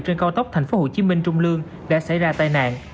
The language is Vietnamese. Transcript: trên cao tốc tp hcm trung lương đã xảy ra tai nạn